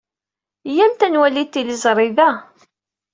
Iyyamt ad nwali tiliẓri da.